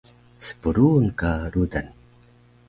Spruun ka rudan